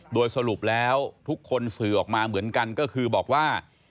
โดยสรุปแล้วทุกคนสื่อออกมาเหมือนกันก็คือบอกว่า